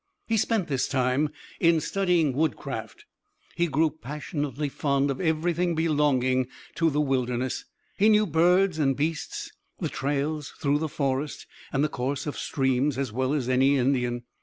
He spent this time in studying woodcraft. He grew passionately fond of everything belonging to the wilderness; he knew birds and beasts, the trails through the forest and the course of streams as well as any Indian.